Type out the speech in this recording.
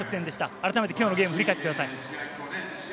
改めてきょうのゲームを振り返ってください。